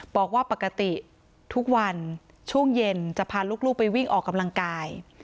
บอกว่าปกติทุกวันช่วงเย็นจะพาลูกไปวิ่งออกกำลังกาย